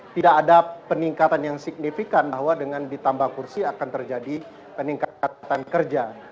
tidak ada peningkatan yang signifikan bahwa dengan ditambah kursi akan terjadi peningkatan kerja